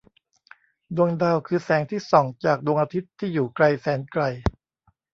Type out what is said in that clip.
ดวงดาวคือแสงที่ส่องจากดวงอาทิตย์ที่อยู่ไกลแสนไกล